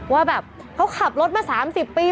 ว่าแบบเขาขับรถมา๓๐ปี